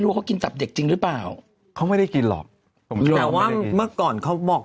ว่าเขากินตับเด็กจริงหรือเปล่าเขาไม่ได้กินหรอกแต่ว่าเมื่อก่อนเขาบอก